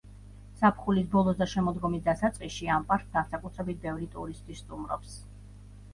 ზაფხულის ბოლოს და შემოდგომის დასაწყისში ამ პარკს განსაკუთრებით ბევრი ტურისტი სტუმრობს.